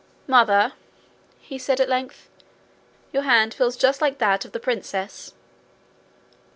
'Mother,' he said at length, 'your hand feels just like that of the princess.'